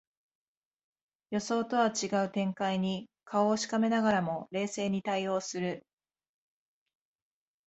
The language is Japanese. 予想とは違う展開に顔をしかめながらも冷静に対応する